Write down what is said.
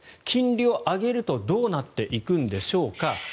金利を上げるとどうなっていくんでしょうか。